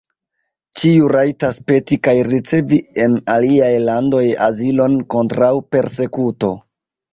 Ĉiu rajtas peti kaj ricevi en aliaj landoj azilon kontraŭ persekuto.